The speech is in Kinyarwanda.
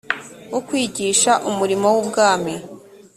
wo kwigisha umurimo w ubwami